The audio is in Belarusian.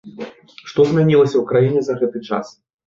Што змянілася ў краіне за гэты час?